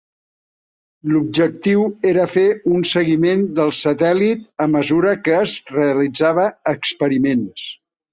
L'objectiu era fer un seguiment del satèl·lit a mesura que es realitzava experiments.